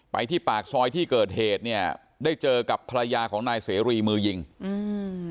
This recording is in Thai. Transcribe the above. ที่ปากซอยที่เกิดเหตุเนี่ยได้เจอกับภรรยาของนายเสรีมือยิงอืม